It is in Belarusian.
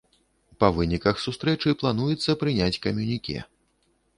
Па выніках сустрэчы плануецца прыняць камюніке.